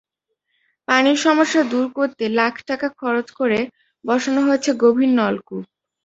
পানির সমস্যা দূর করতে লাখ টাকা খরচ করে বসানো হয়েছে গভীর নলকূপ।